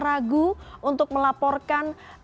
ragu untuk melaporkan